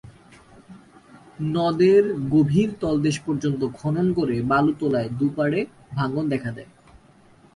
নদের গভীর তলদেশ পর্যন্ত খনন করে বালু তোলায় দুপাড়ে ভাঙন দেখা দেয়।